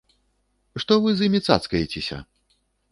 Што вы з імі цацкаецеся?